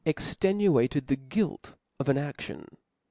extenuated the guilt of an action.